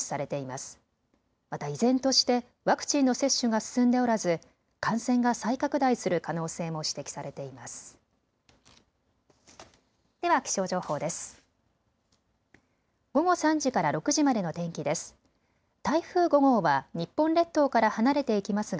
また依然としてワクチンの接種が進んでおらず感染が再拡大する可能性も指摘されています。